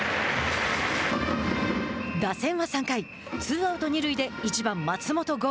打線は３回、ツーアウト、二塁で１番、松本剛。